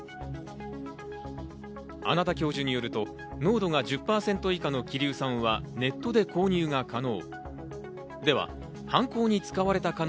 穴田教授によると、濃度が１０％以下の希硫酸はネットで購入が可能。